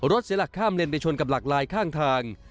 เสียหลักข้ามเลนไปชนกับหลักลายข้างทาง